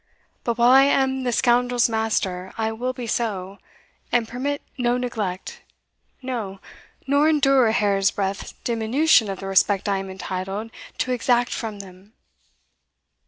But while I am the scoundrel's master I will be so, and permit no neglect no, nor endure a hair's breadth diminution of the respect I am entitled to exact from them."